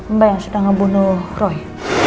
mbak yang sudah ngebunuh roy